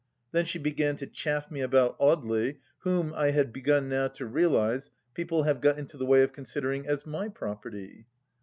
Then she began to chaff me about Audely, whom, I had begun now to realise, people have got into the way of con sidering as my property.